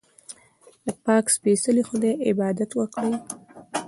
د پاک سپېڅلي خدای عبادت وکړئ.